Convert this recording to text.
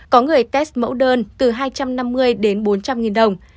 có người test mẫu đơn từ hai trăm năm mươi đến bốn trăm linh nghìn đồng